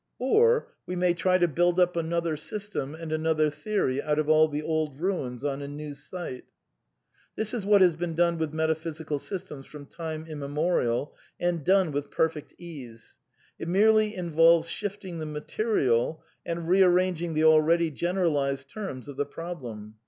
Or we may try to build up another system and another ^ theory out of all the old ruins on a new site. This is whay ')^ has been done with metaphysical systems from time imme \J^ morial, and done with perfect ease; it merely involves shifting the material and rearranging the already general ized terms of the problem.